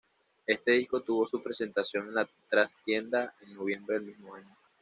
Este disco tuvo su presentación en La Trastienda, en noviembre del mismo año.